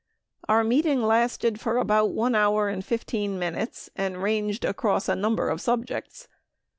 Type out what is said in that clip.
Our meeting lasted for about 1 hour and 15 minutes and ranged across a number of subjects.